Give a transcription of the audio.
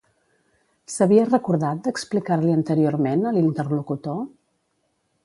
S'havia recordat d'explicar-li anteriorment, a l'interlocutor?